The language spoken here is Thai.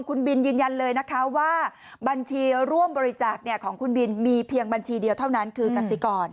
คุณบินยืนยันเลยนะคะว่าบัญชีร่วมบริจาคของคุณบินมีเพียงบัญชีเดียวเท่านั้นคือกสิกร